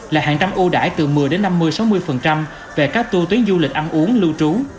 là hàng trăm ưu đải từ một mươi năm mươi sáu mươi về các tour tuyến du lịch ăn uống lưu trú